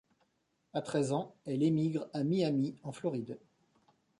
À treize ans, elle émigre à Miami, en Floride.